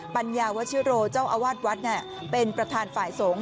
ปัญญาวชิโรเจ้าอาวาสวัดเป็นประธานฝ่ายสงฆ์